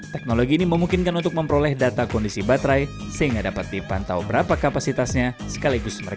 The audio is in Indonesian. teknologi ini memungkinkan untuk memperoleh data kondisi yang sangat mudah dan memperoleh data yang sangat mudah